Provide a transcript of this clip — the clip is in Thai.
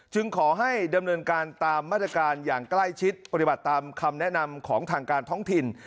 ขอให้ดำเนินการตามมาตรการอย่างใกล้ชิดปฏิบัติตามคำแนะนำของทางการท้องถิ่น